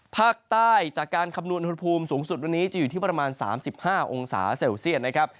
ภาคใต้จากการคำนวณอุณหภูมิสูงสุดวันนี้จะอยู่ที่ประมาณ๓๕องศาเซลเซียตนะครับ